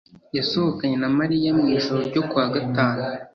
yasohokanye na Mariya mu ijoro ryo ku wa gatanu